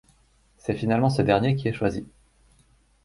C’est finalement ce dernier qui est choisi.